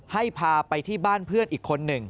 ให้พาไปที่บ้านเพื่อนอีกคนหนึ่ง